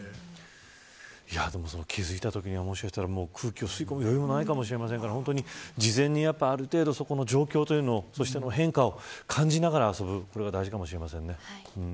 気付いたときにはもしかしたら空気を吸い込む余裕もないかもしませんから事前にある程度状況というものそして変化を感じながら遊ぶのが大事かもしれません。